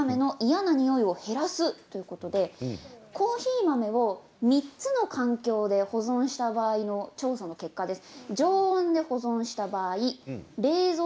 コーヒー豆を３つの環境で保存した場合の調査の結果です。